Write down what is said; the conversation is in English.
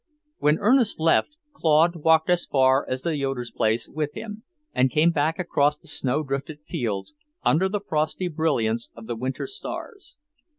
When Ernest left, Claude walked as far as the Yoeders' place with him, and came back across the snow drifted fields, under the frosty brilliance of the winter stars.